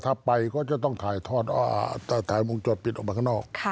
ถ้าไปก็จะต้องถ่ายทอดถ่ายวงจรปิดออกมาข้างนอก